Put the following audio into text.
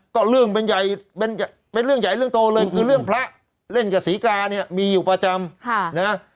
ก็เรื่องเป็นใหญ่เป็นเรื่องใหญ่เรื่องโตเลยคือเรื่องพระเล่นกับศรีกาเนี่ยมีอยู่ประจำนะ